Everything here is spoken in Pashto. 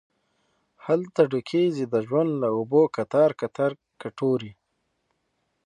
هلته ډکیږې د ژوندون له اوبو کتار، کتار کټوري